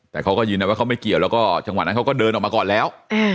แต่เขาก็ยืนยันว่าเขาไม่เกี่ยวแล้วก็จังหวะนั้นเขาก็เดินออกมาก่อนแล้ว